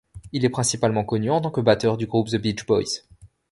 Il est principalement connu en tant que batteur du groupe The Beach Boys.